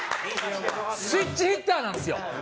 スイッチヒッターなんですよ。